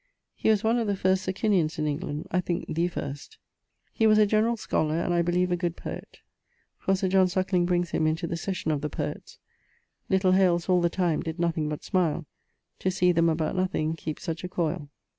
He was one of the first Socinians in England, I thinke the first. He was a generall scolar, and I beleeve a good poet: for Sir John Suckling brings him into the Session of the Poets: 'Little Hales all the time did nothing but smile, To see them, about nothing, keepe such a coile.'